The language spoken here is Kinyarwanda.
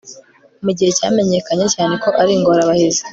mugihe cyamenyekanye cyane ko ari ingorabahizi